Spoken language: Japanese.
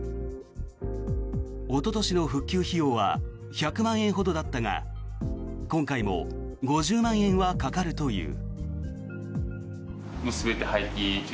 おととしの復旧費用は１００万円ほどだったが今回も５０万円はかかるという。